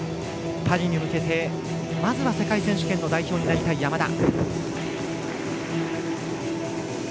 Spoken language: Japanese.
パリに向けて、まずは世界選手権の代表になりたい山田。